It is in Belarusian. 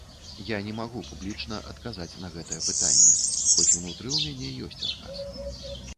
Я не магу публічна адказаць на гэта пытанне, хоць унутры ў мяне ёсць адказ.